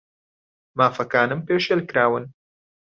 مافەکانم پێشێل کراون.